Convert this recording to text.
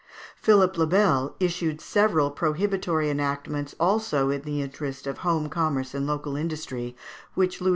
Philippe le Bel issued several prohibitory enactments also in the interest of home commerce and local industry, which Louis X.